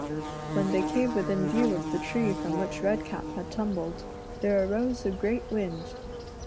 When they came within view of the tree from which Redcap had tumbled, there arose a great wind.